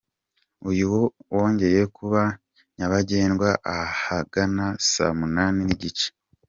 Uyu wo wongeye kuba nyabagendwa ahagana saa munani n’igice.